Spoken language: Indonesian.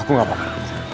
aku gak mau kak